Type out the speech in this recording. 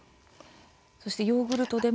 そしてヨーグルトでも。